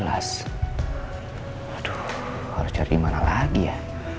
aduh harus cari mana lagi ya